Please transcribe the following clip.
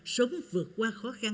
sống vượt qua